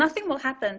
tidak akan terjadi